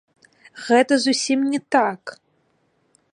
Гэта зусім не так!